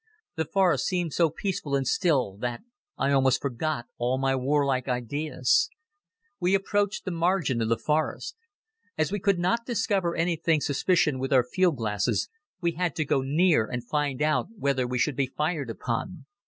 The forest seemed so peaceful and still that I almost forgot all my war like ideas. We approached the margin of the forest. As we could not discover anything suspicious with our field glasses we had to go near and find out whether we should be fired upon.